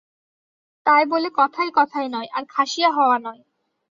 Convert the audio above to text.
তাই বলে কথায় কথায় নয়, আর খাসিয়া হওয়া নয়।